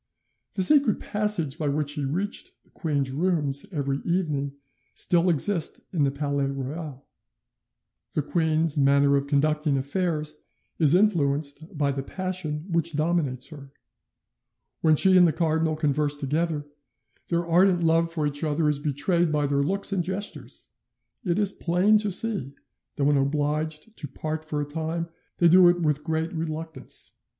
The secret passage by which he reached the queen's rooms every evening still exists in the Palais Royal" (Letter of the Duchesse d'Orleans, 2nd July 1719) "The queen's, manner of conducting affairs is influenced by the passion which dominates her. When she and the cardinal converse together, their ardent love for each other is betrayed by their looks and gestures; it is plain to see that when obliged to part for a time they do it with great reluctance.